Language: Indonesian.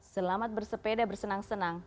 selamat bersepeda bersenang senang